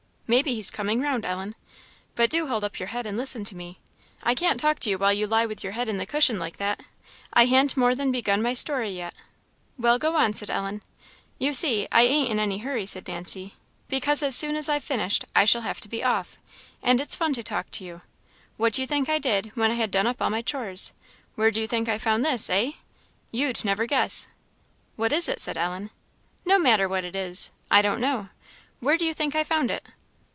Maybe he's coming round, Ellen. But do hold up your head and listen to me! I can't talk to you while you lie with your head in the cushion like that. I han't more than begun my story yet." "Well, go on," said Ellen. "You see, I ain't in any hurry," said Nancy "because as soon as I've finished I shall have to be off; and it's fun to talk to you. What do you think I did, when I had done up all my chores? where do you think I found this, eh? you'd never guess." "What is it?" said Ellen. "No matter what it is I don't know; where do you think I found it?"